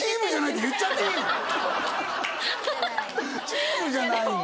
チームじゃないのね？